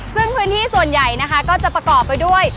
ซึ่งพื้นที่ส่วนใหญ่นะคะก็จะประกอบไปด้วย